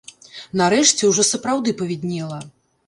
Нарэшце ўжо сапраўды павіднела.